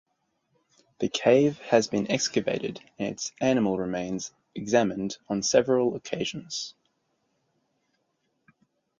The cave has been excavated and its animal remains examined on several occasions.